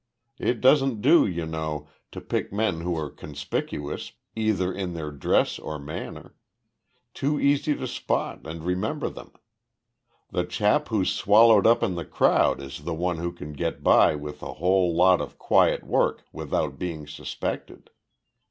It doesn't do, you know, to pick men who are conspicuous, either in their dress or manner. Too easy to spot and remember them. The chap who's swallowed up in the crowd is the one who can get by with a whole lot of quiet work without being suspected.